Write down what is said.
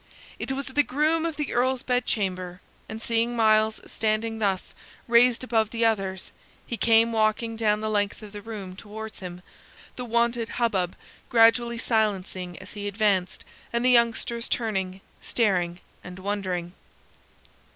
It was the groom of the Earl's bedchamber, and seeing Myles standing thus raised above the others, he came walking down the length of the room towards him, the wonted hubbub gradually silencing as he advanced and the youngsters turning, staring, and wondering.